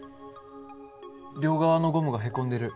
両側のゴムがへこんでる。